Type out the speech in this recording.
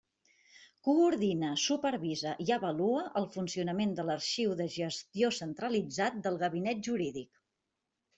Coordina, supervisa i avalua el funcionament de l'arxiu de gestió centralitzat del Gabinet Jurídic.